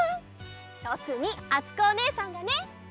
とくにあつこおねえさんがね！